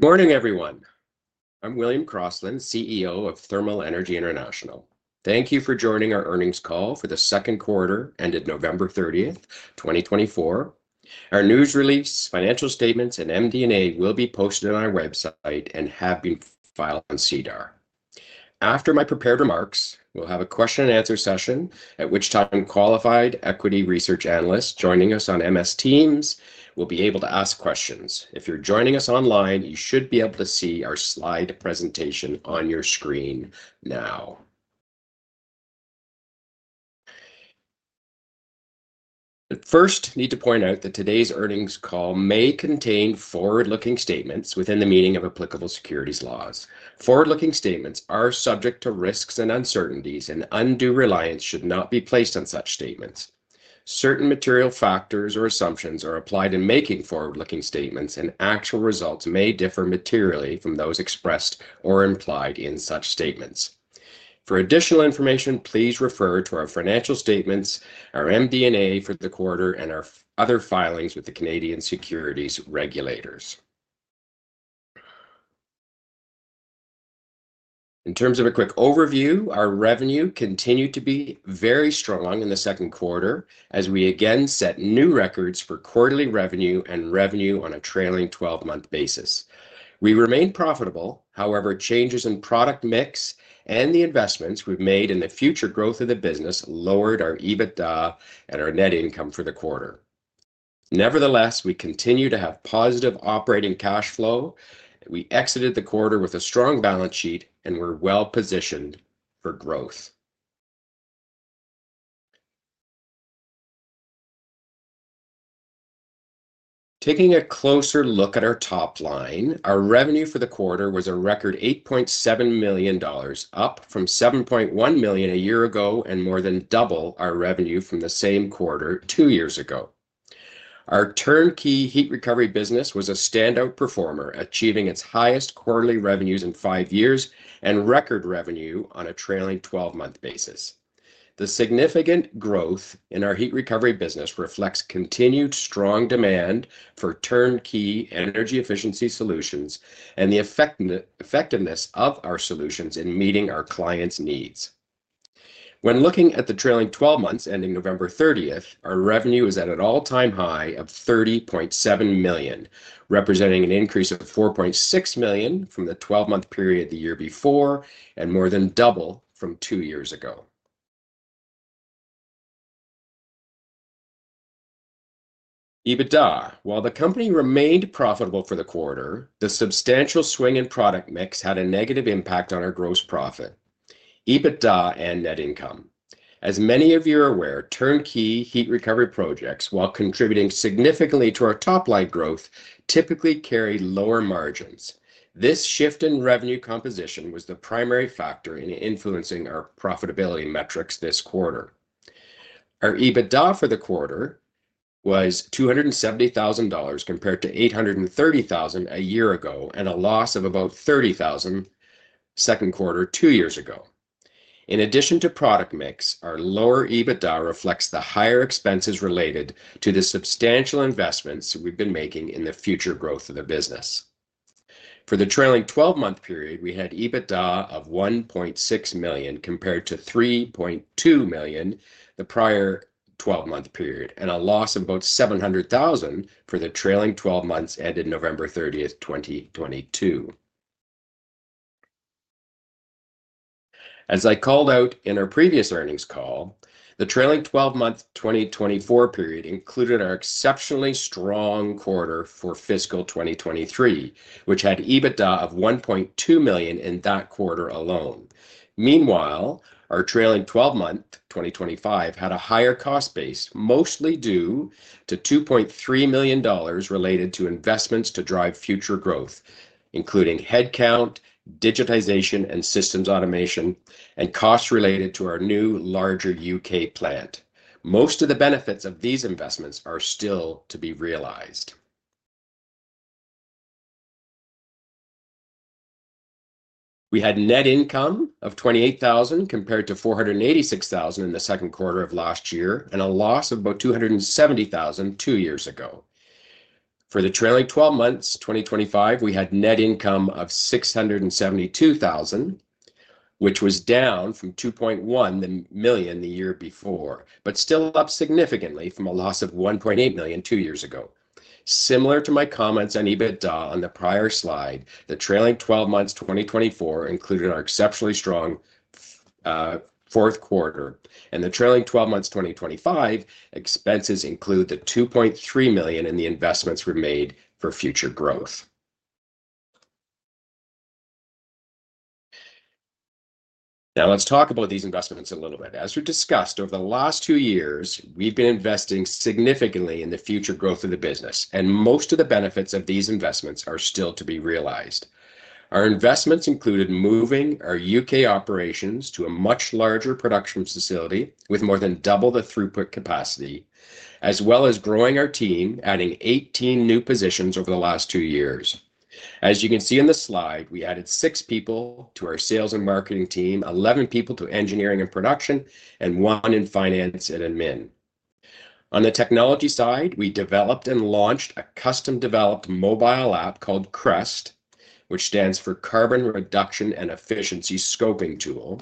Good morning, everyone. I'm William Crossland, CEO of Thermal Energy International. Thank you for joining our earnings call for the second quarter ended November 30th, 2024. Our news release, financial statements, and MD&A will be posted on our website and have been filed on SEDAR. After my prepared remarks, we'll have a question-and-answer session, at which time qualified equity research analysts joining us on MS Teams will be able to ask questions. If you're joining us online, you should be able to see our slide presentation on your screen now. First, I need to point out that today's earnings call may contain forward-looking statements within the meaning of applicable securities laws. Forward-looking statements are subject to risks and uncertainties, and undue reliance should not be placed on such statements. Certain material factors or assumptions are applied in making forward-looking statements, and actual results may differ materially from those expressed or implied in such statements. For additional information, please refer to our financial statements, our MD&A for the quarter, and our other filings with the Canadian securities regulators. In terms of a quick overview, our revenue continued to be very strong in the second quarter, as we again set new records for quarterly revenue and revenue on a trailing 12-month basis. We remained profitable. However, changes in product mix and the investments we've made in the future growth of the business lowered our EBITDA and our net income for the quarter. Nevertheless, we continue to have positive operating cash flow. We exited the quarter with a strong balance sheet and were well positioned for growth. Taking a closer look at our top line, our revenue for the quarter was a record 8.7 million dollars, up from 7.1 million a year ago and more than double our revenue from the same quarter two years ago. Our turnkey heat recovery business was a standout performer, achieving its highest quarterly revenues in five years and record revenue on a trailing 12-month basis. The significant growth in our heat recovery business reflects continued strong demand for turnkey energy efficiency solutions and the effectiveness of our solutions in meeting our clients' needs. When looking at the trailing 12 months ending November 30, our revenue is at an all-time high of 30.7 million, representing an increase of 4.6 million from the 12-month period the year before and more than double from two years ago. EBITDA: While the company remained profitable for the quarter, the substantial swing in product mix had a negative impact on our gross profit, EBITDA, and net income. As many of you are aware, turnkey heat recovery projects, while contributing significantly to our top-line growth, typically carry lower margins. This shift in revenue composition was the primary factor in influencing our profitability metrics this quarter. Our EBITDA for the quarter was 270,000 dollars compared to 830,000 a year ago and a loss of about 30,000 second quarter two years ago. In addition to product mix, our lower EBITDA reflects the higher expenses related to the substantial investments we've been making in the future growth of the business. For the trailing 12-month period, we had EBITDA of 1.6 million compared to 3.2 million the prior 12-month period and a loss of about 700,000 for the trailing 12 months ended November 30th, 2022. As I called out in our previous earnings call, the trailing 12-month 2024 period included our exceptionally strong quarter for fiscal 2023, which had EBITDA of 1.2 million in that quarter alone. Meanwhile, our trailing 12-month 2025 had a higher cost base, mostly due to 2.3 million dollars related to investments to drive future growth, including headcount, digitization, and systems automation, and costs related to our new larger U.K. plant. Most of the benefits of these investments are still to be realized. We had net income of 28,000 compared to 486,000 in the second quarter of last year and a loss of about 270,000 two years ago. For the trailing 12-month 2025, we had net income of 672,000, which was down from 2.1 million the year before, but still up significantly from a loss of 1.8 million two years ago. Similar to my comments on EBITDA on the prior slide, the trailing 12-month 2024 included our exceptionally strong fourth quarter, and the trailing 12-month 2025 expenses include the 2.3 million in the investments we've made for future growth. Now, let's talk about these investments a little bit. As we've discussed, over the last two years, we've been investing significantly in the future growth of the business, and most of the benefits of these investments are still to be realized. Our investments included moving our U.K. operations to a much larger production facility with more than double the throughput capacity, as well as growing our team, adding 18 new positions over the last two years. As you can see in the slide, we added six people to our sales and marketing team, 11 people to engineering and production, and one in finance and admin. On the technology side, we developed and launched a custom-developed mobile app called CREST, which stands for Carbon Reduction and Efficiency Scoping Tool,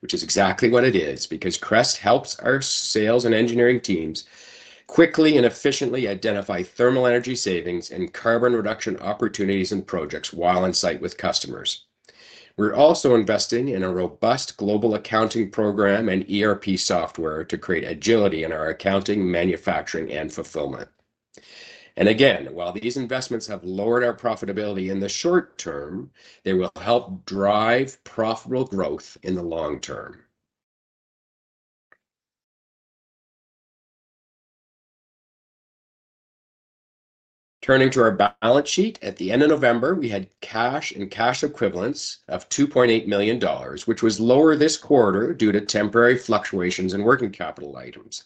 which is exactly what it is because CREST helps our sales and engineering teams quickly and efficiently identify thermal energy savings and carbon reduction opportunities and projects while on site with customers. We're also investing in a robust global accounting program and ERP software to create agility in our accounting, manufacturing, and fulfillment. And again, while these investments have lowered our profitability in the short term, they will help drive profitable growth in the long term. Turning to our balance sheet, at the end of November, we had cash and cash equivalents of 2.8 million dollars, which was lower this quarter due to temporary fluctuations in working capital items.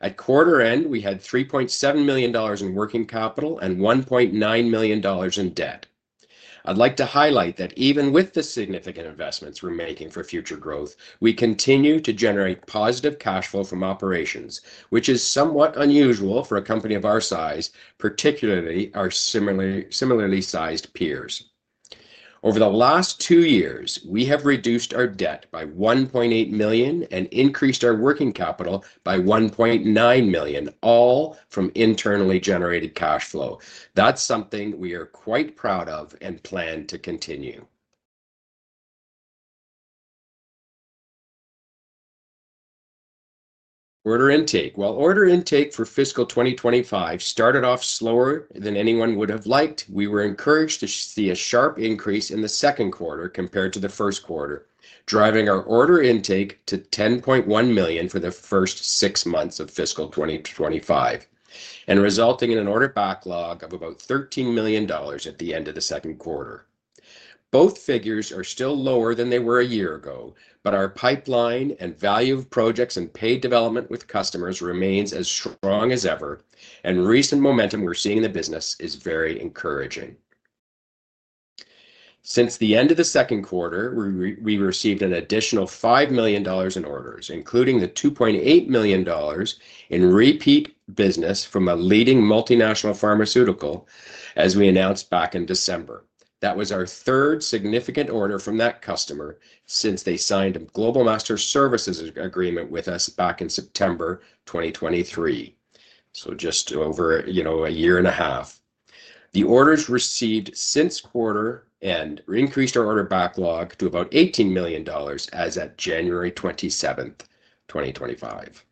At quarter end, we had 3.7 million dollars in working capital and 1.9 million dollars in debt. I'd like to highlight that even with the significant investments we're making for future growth, we continue to generate positive cash flow from operations, which is somewhat unusual for a company of our size, particularly our similarly sized peers. Over the last two years, we have reduced our debt by 1.8 million and increased our working capital by 1.9 million, all from internally generated cash flow. That's something we are quite proud of and plan to continue. Order intake: While order intake for fiscal 2025 started off slower than anyone would have liked, we were encouraged to see a sharp increase in the second quarter compared to the first quarter, driving our order intake to 10.1 million for the first six months of fiscal 2025 and resulting in an order backlog of about 13 million dollars at the end of the second quarter. Both figures are still lower than they were a year ago, but our pipeline and value of projects and paid development with customers remains as strong as ever, and recent momentum we're seeing in the business is very encouraging. Since the end of the second quarter, we received an additional 5 million dollars in orders, including the 2.8 million dollars in repeat business from a leading multinational pharmaceutical, as we announced back in December. That was our third significant order from that customer since they signed a Global Master Services Agreement with us back in September 2023, so just over, you know, a year and a half. The orders received since quarter end increased our order backlog to about 18 million dollars as of January 27th, 2025.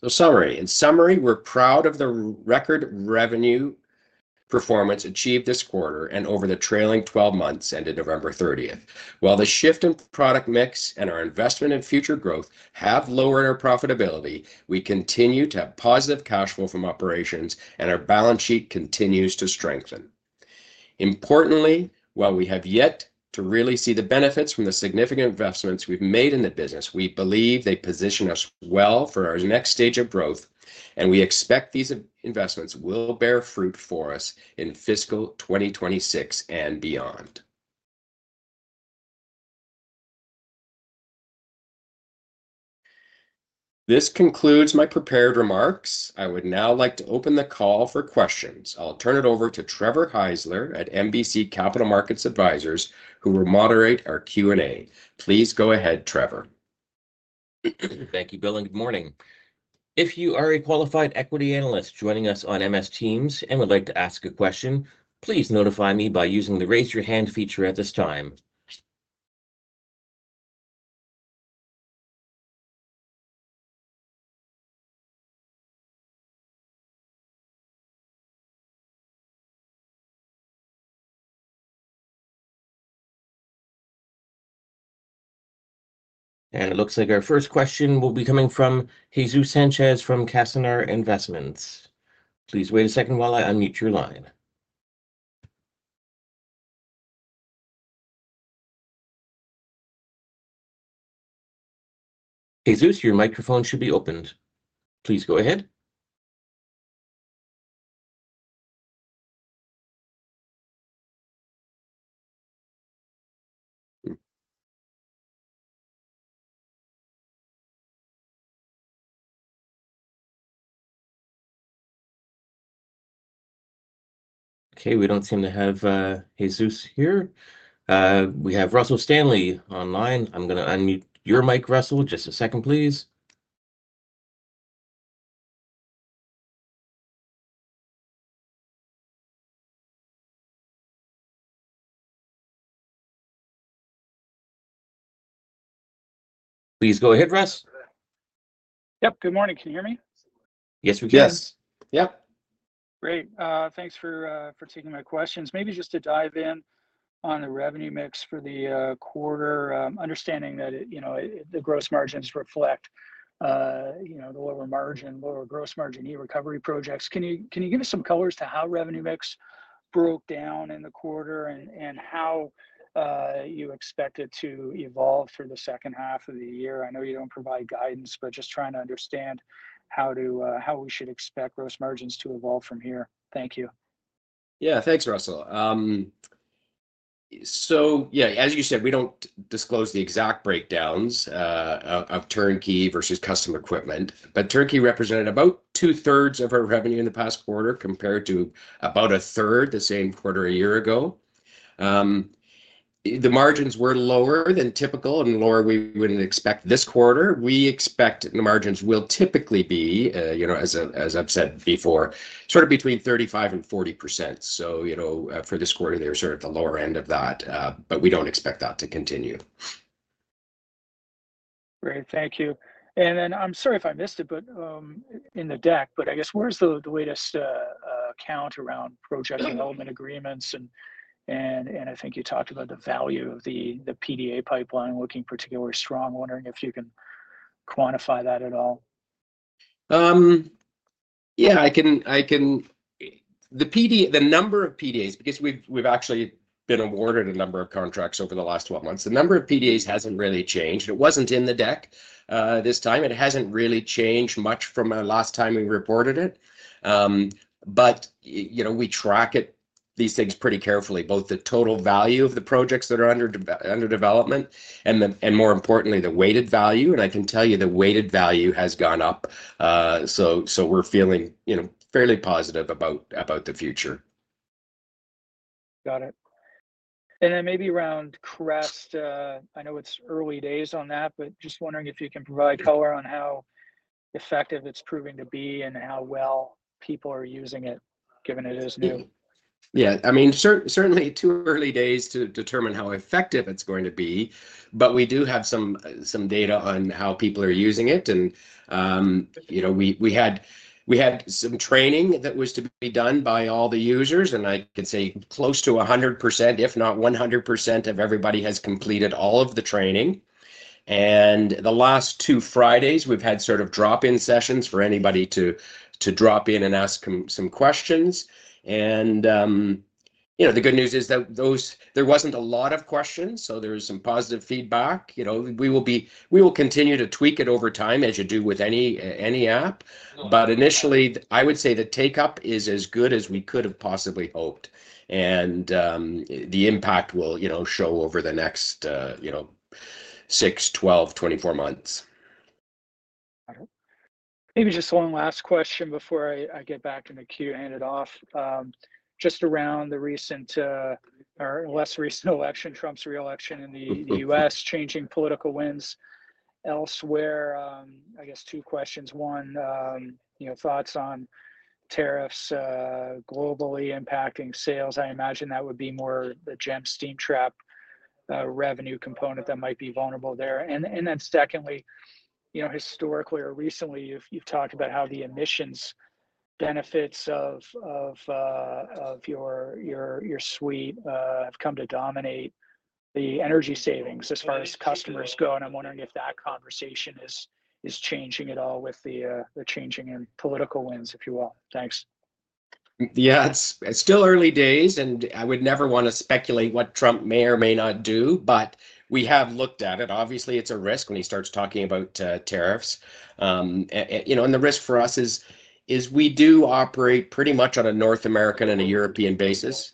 In summary, we're proud of the record revenue performance achieved this quarter and over the trailing 12 months ended November 30th. While the shift in product mix and our investment in future growth have lowered our profitability, we continue to have positive cash flow from operations, and our balance sheet continues to strengthen. Importantly, while we have yet to really see the benefits from the significant investments we've made in the business, we believe they position us well for our next stage of growth, and we expect these investments will bear fruit for us in fiscal 2026 and beyond. This concludes my prepared remarks. I would now like to open the call for questions. I'll turn it over to Trevor Heisler at MBC Capital Markets Advisors, who will moderate our Q&A. Please go ahead, Trevor. Thank you, Bill, and good morning. If you are a qualified equity analyst joining us on MS Teams and would like to ask a question, please notify me by using the raise-your-hand feature at this time. It looks like our first question will be coming from Jesus Sanchez from Castañer Investment Fund. Please wait a second while I unmute your line. Jesus, your microphone should be opened. Please go ahead. Okay, we don't seem to have Jesus here. We have Russell Stanley online. I'm going to unmute your mic, Russell. Just a second, please. Please go ahead, Russ. Yep. Good morning. Can you hear me? Yes, we can. Yes. Yep. Great. Thanks for taking my questions. Maybe just to dive in on the revenue mix for the quarter, understanding that, you know, the gross margins reflect, you know, the lower margin, lower gross margin, heat recovery projects. Can you give us some color to how revenue mix broke down in the quarter and how you expect it to evolve through the second half of the year? I know you don't provide guidance, but just trying to understand how we should expect gross margins to evolve from here. Thank you. Yeah, thanks, Russell. So, yeah, as you said, we don't disclose the exact breakdowns of turnkey versus custom equipment, but turnkey represented about two-thirds of our revenue in the past quarter compared to about a third the same quarter a year ago. The margins were lower than typical, and lower than we would expect this quarter. We expect the margins will typically be, you know, as I've said before, sort of between 35% and 40%. So, you know, for this quarter, they're sort of at the lower end of that, but we don't expect that to continue. Great. Thank you. And then I'm sorry if I missed it, but in the deck, but I guess where's the latest update on project development agreements? And I think you talked about the value of the PDA pipeline looking particularly strong. Wondering if you can quantify that at all? Yeah, I can. The number of PDAs, because we've actually been awarded a number of contracts over the last 12 months, the number of PDAs hasn't really changed. It wasn't in the deck this time. It hasn't really changed much from last time we reported it. But, you know, we track these things pretty carefully, both the total value of the projects that are under development and, more importantly, the weighted value. And I can tell you the weighted value has gone up. So we're feeling, you know, fairly positive about the future. Got it, and then maybe around CREST, I know it's early days on that, but just wondering if you can provide color on how effective it's proving to be and how well people are using it, given it is new? Yeah. I mean, certainly too early days to determine how effective it's going to be, but we do have some data on how people are using it, and you know, we had some training that was to be done by all the users, and I could say close to 100%, if not 100%, of everybody has completed all of the training, and the last two Fridays, we've had sort of drop-in sessions for anybody to drop in and ask some questions, and you know, the good news is that there wasn't a lot of questions, so there was some positive feedback. You know, we will continue to tweak it over time as you do with any app, but initially, I would say the take-up is as good as we could have possibly hoped, and the impact will, you know, show over the next, you know, six, 12, 24 months. Got it. Maybe just one last question before I get back in the queue and hand it off. Just around the recent or less recent election, Trump's reelection in the U.S., changing political winds elsewhere, I guess two questions. One, you know, thoughts on tariffs globally impacting sales. I imagine that would be more the GEM steam trap revenue component that might be vulnerable there. And then secondly, you know, historically or recently, you've talked about how the emissions benefits of your suite have come to dominate the energy savings as far as customers go. And I'm wondering if that conversation is changing at all with the changing political winds, if you will. Thanks. Yeah, it's still early days, and I would never want to speculate what Trump may or may not do, but we have looked at it. Obviously, it's a risk when he starts talking about tariffs. You know, and the risk for us is we do operate pretty much on a North American and a European basis.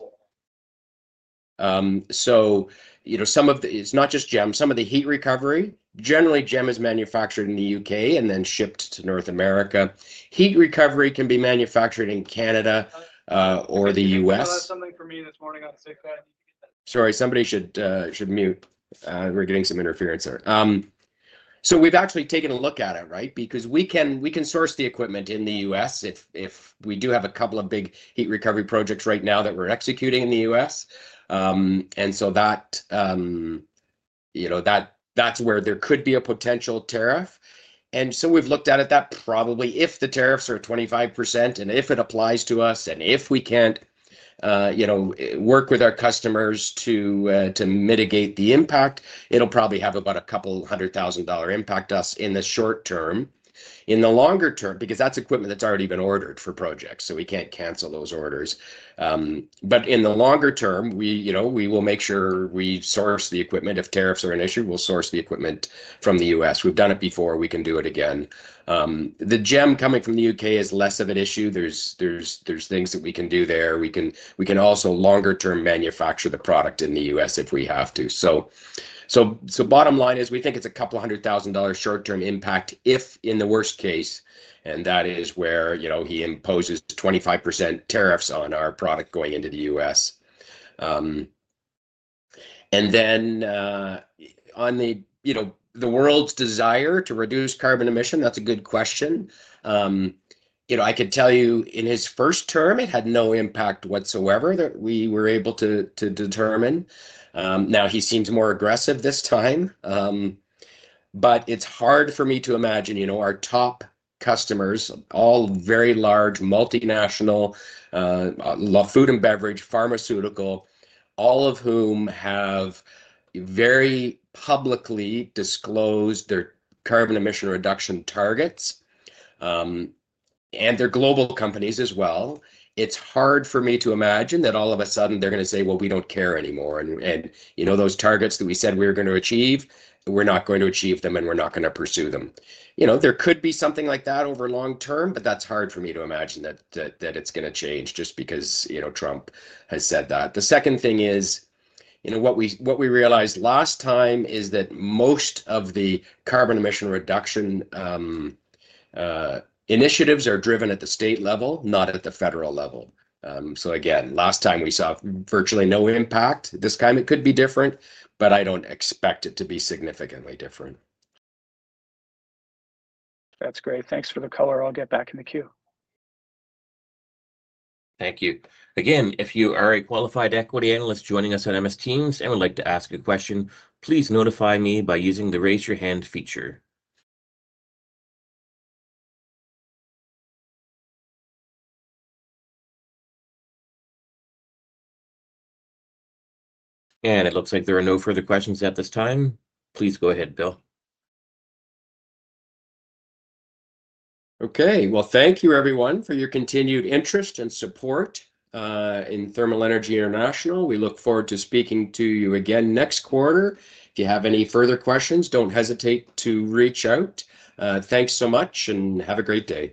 So, you know, some of the, it's not just GEM. Some of the heat recovery, generally, GEM is manufactured in the U.K. and then shipped to North America. Heat recovery can be manufactured in Canada or the U.S. Sorry, somebody should mute. We're getting some interference there, so we've actually taken a look at it, right? Because we can source the equipment in the U.S. if we do have a couple of big heat recovery projects right now that we're executing in the U.S. And so that, you know, that's where there could be a potential tariff. And so we've looked at it that probably if the tariffs are 25% and if it applies to us and if we can't, you know, work with our customers to mitigate the impact, it'll probably have about a $200,000 impact on us in the short term. In the longer term, because that's equipment that's already been ordered for projects, so we can't cancel those orders. But in the longer term, we, you know, we will make sure we source the equipment. If tariffs are an issue, we'll source the equipment from the U.S. We've done it before. We can do it again. The GEM coming from the U.K. is less of an issue. There's things that we can do there. We can also longer-term manufacture the product in the U.S. if we have to. So bottom line is we think it's 200,000 dollars short-term impact if, in the worst case, and that is where, you know, he imposes 25% tariffs on our product going into the U.S. And then on the, you know, the world's desire to reduce carbon emission, that's a good question. You know, I could tell you in his first term, it had no impact whatsoever that we were able to determine. Now, he seems more aggressive this time, but it's hard for me to imagine, you know, our top customers, all very large multinational, food and beverage, pharmaceutical, all of whom have very publicly disclosed their carbon emission reduction targets and their global companies as well. It's hard for me to imagine that all of a sudden they're going to say, "Well, we don't care anymore." And, you know, those targets that we said we were going to achieve, we're not going to achieve them and we're not going to pursue them. You know, there could be something like that over long term, but that's hard for me to imagine that it's going to change just because, you know, Trump has said that. The second thing is, you know, what we realized last time is that most of the carbon emission reduction initiatives are driven at the state level, not at the federal level. So again, last time we saw virtually no impact. This time it could be different, but I don't expect it to be significantly different. That's great. Thanks for the color. I'll get back in the queue. Thank you. Again, if you are a qualified equity analyst joining us on MS Teams and would like to ask a question, please notify me by using the raise-your-hand feature and it looks like there are no further questions at this time. Please go ahead, Bill. Okay. Well, thank you, everyone, for your continued interest and support in Thermal Energy International. We look forward to speaking to you again next quarter. If you have any further questions, don't hesitate to reach out. Thanks so much, and have a great day.